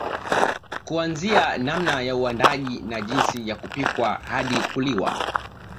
Kuanzia namna ya uandaaji na jinsi ya kupikwa hadi kuliwa